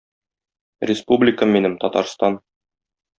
Республикам минем, Татарстан!